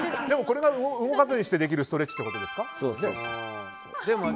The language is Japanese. でも、これが動かずにできるストレッチってことですか。